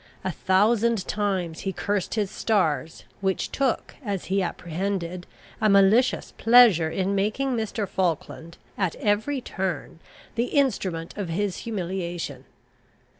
A thousand times he cursed his stars, which took, as he apprehended, a malicious pleasure in making Mr. Falkland, at every turn, the instrument of his humiliation.